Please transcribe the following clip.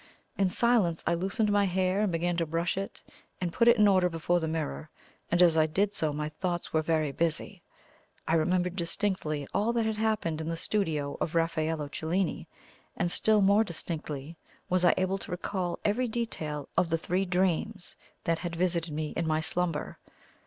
In silence I loosened my hair and began to brush it and put it in order before the mirror, and as I did so my thoughts were very busy. I remembered distinctly all that had happened in the studio of Raffaello Cellini, and still more distinctly was I able to recall every detail of the three dreams that had visited me in my slumber.